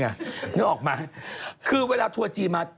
นึกออกไหมคือเวลาทัวร์จีนมา